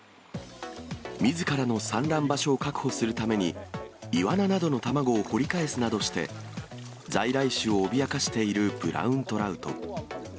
みずからの産卵場所を確保するために、イワナなどの卵を掘り返すなどして、在来種を脅かしているブラウントラウト。